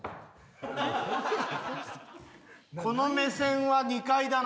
この目線は２階だな。